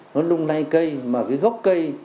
nó lung lay cây mà cái gốc cây